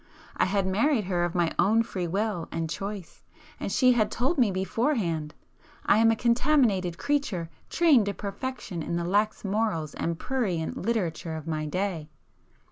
I had married her of my own free will and choice,—and she had told me beforehand—"I am a contaminated creature, trained to perfection in the lax morals and prurient literature of my day."